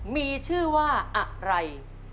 มีชื่อว่าอะไร